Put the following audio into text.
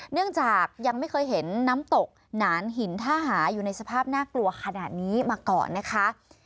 เนื่องจากยังไม่เคยเห็นน้ำตกหนานหินท่าหาอยู่ในสภาพน่ากลัวขนาดนี้มาก่อนนะคะ